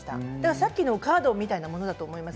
さっきのカードみたいなものだと思います。